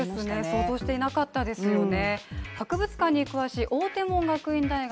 想像していなかったですよね。